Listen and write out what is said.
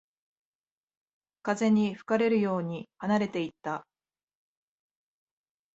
風に吹かれるように離れていった